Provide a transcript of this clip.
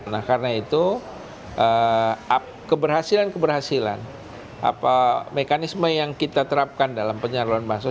nah karena itu keberhasilan keberhasilan mekanisme yang kita terapkan dalam penyaluran mahasiswa